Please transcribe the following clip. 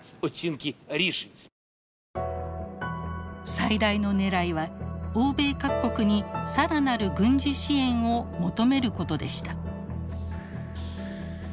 最大のねらいは欧米各国に更なる軍事支援を求めることでした。